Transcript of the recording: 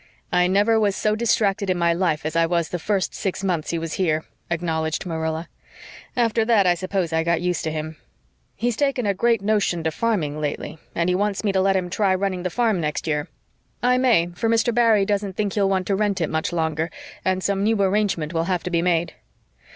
"I never was so distracted in my life as I was the first six months he was here," acknowledged Marilla. "After that I suppose I got used to him. He's taken a great notion to farming lately, and wants me to let him try running the farm next year. I may, for Mr. Barry doesn't think he'll want to rent it much longer, and some new arrangement will have to be made."